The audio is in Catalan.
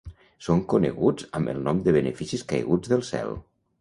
Són coneguts amb el nom de “beneficis caiguts del cel”.